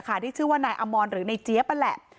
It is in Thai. ที่ชื่อว่านายอมรหรือนายเจี๊ยบนั่นแหละ